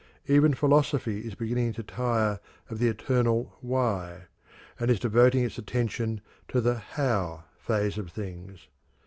Even philosophy is beginning to tire of the eternal "why" and is devoting its attention to the "how" phase of things.